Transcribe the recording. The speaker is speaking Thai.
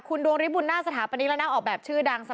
คุณโดงริมบุ้นหน้าสถาปันีแบบชื่อรางทรัพย์